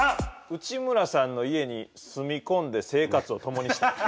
内村さんの家に住み込んで生活をともにした。